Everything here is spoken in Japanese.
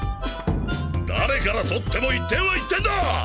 誰から取っても１点は１点だ！